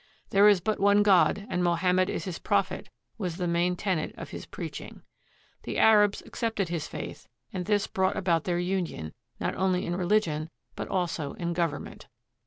" There is but one God, and Mohammed is his prophet," was the main tenet of his preaching. The Arabs accepted his faith, and this brought about their union, not only in religion, but also in government.